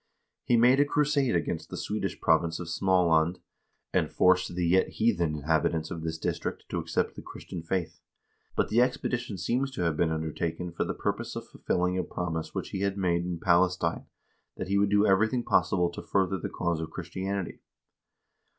He made a crusade against the Swedish province of Smaland, and forced the yet heathen inhabitants of this district to accept the Christian faith, but the expedition seems to have been undertaken for the purpose of fulfilling a promise which he had made in Palestine that he would do everything possible to further the cause of Christianity.